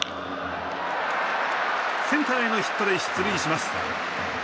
センターへのヒットで出塁します。